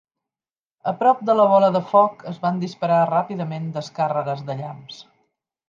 A prop de la bola de foc, es van disparar ràpidament descàrregues de llamps.